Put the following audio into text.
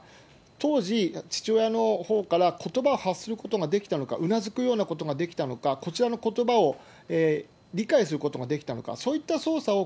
当時、父親のほうからことばを発することができたのか、うなずくようなことができたのか、こちらのことばを理解することができたのか、そういった捜査を